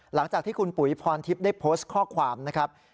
หลังจากที่คุณปุ๋ยพรทิพย์ได้โพสต์ข้อความนะครับ